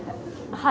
はい。